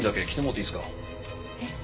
えっ？